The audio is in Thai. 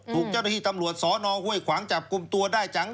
ถูกเจ้าหน้าที่ตำรวจสนห้วยขวางจับกลุ่มตัวได้จัง